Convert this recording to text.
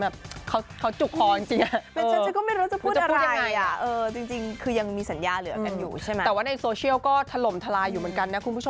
เพราะงั้นเนี่ยคือผมว่า